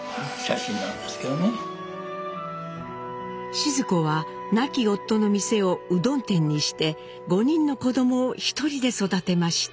シヅ子は亡き夫の店をうどん店にして５人の子供を１人で育てました。